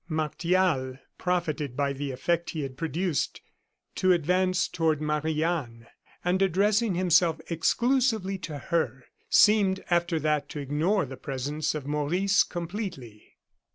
Martial profited by the effect he had produced to advance toward Marie Anne, and, addressing himself exclusively to her, seemed after that to ignore the presence of Maurice completely.